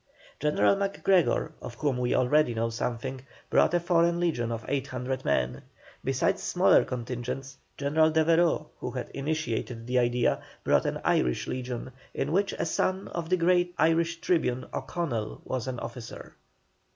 General MacGregor, of whom we already know something, brought a foreign legion of 800 men. Besides smaller contingents, General Devereux, who had initiated the idea, brought an Irish legion, in which a son of the great Irish Tribune, O'Connell, was an officer.